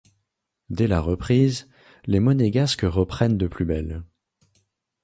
Dès la reprise, les Monégasques reprennent de plus belle.